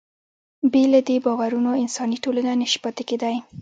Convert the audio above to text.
بې له دې باورونو انساني ټولنه نهشي پاتې کېدی.